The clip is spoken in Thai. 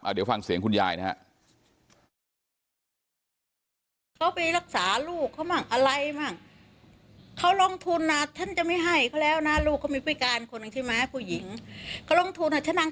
เอาเดี๋ยวฟังเสียงคุณยายนะครับ